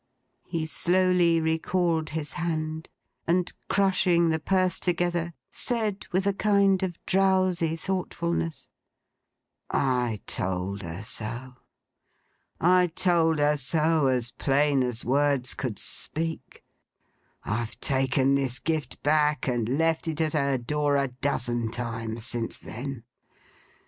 He slowly recalled his hand, and crushing the purse together, said with a kind of drowsy thoughtfulness: 'I told her so. I told her so, as plain as words could speak. I've taken this gift back and left it at her door, a dozen times since then.